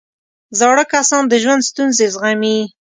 زاړه کسان د ژوند ستونزې زغمي